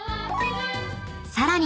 ［さらに］